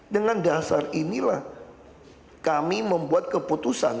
dengan dasar inilah kami membuat keputusan